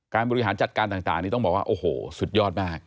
บริหารจัดการต่างนี่ต้องบอกว่าโอ้โหสุดยอดมาก